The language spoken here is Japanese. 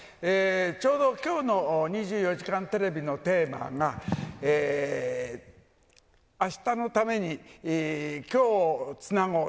ちょうどきょうの２４時間テレビのテーマが明日のために、今日つながろう。